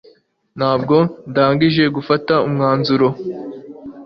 ntabwo ndangije gufata umwanzuro